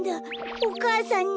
お母さんに！